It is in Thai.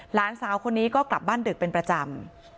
หลานสาวคนนี้ก็กลับบ้านดึกเป็นประจำ